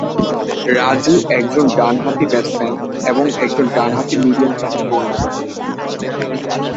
রাজু একজন ডান-হাঁতি ব্যাটসম্যান এবং একজন ডান-হাঁতি মিডিয়াম-ফাস্ট বোলার।